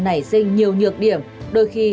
nảy sinh nhiều nhược điểm đôi khi